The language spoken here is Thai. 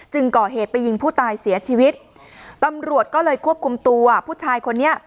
ก่อเหตุไปยิงผู้ตายเสียชีวิตตำรวจก็เลยควบคุมตัวผู้ชายคนนี้